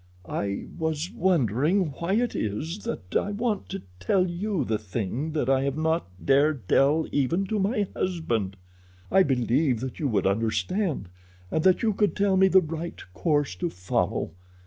"I was wondering why it is that I want to tell you the thing that I have not dared tell even to my husband. I believe that you would understand, and that you could tell me the right course to follow.